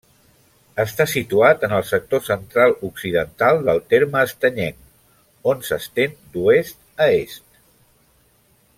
Està situat en el sector central-occidental del terme estanyenc, on s'estén d'oest a est.